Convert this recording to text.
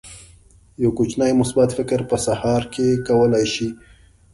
یو کوچنی مثبت فکر په سهار کې کولی شي.